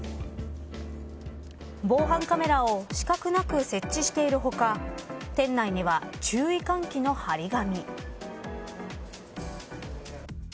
防犯カメラを死角なく設置している他店内には注意喚起の貼り紙。